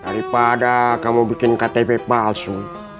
daripada kamu bikin ktp palsu